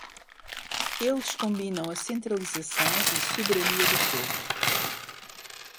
Eles combinam a centralização e soberania do povo.